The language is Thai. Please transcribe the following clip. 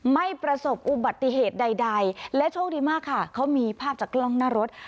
ประสบอุบัติเหตุใดและโชคดีมากค่ะเขามีภาพจากกล้องหน้ารถ